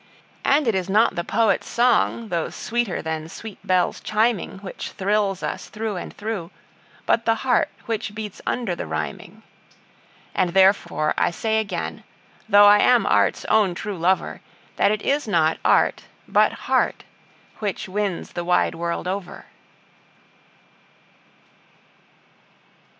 And it is not the poet's song, though sweeter than sweet bells chiming, Which thrills us through and through, but the heart which beats under the rhyming. And therefore I say again, though I am art's own true lover, That it is not art, but heart, which wins the wide world over.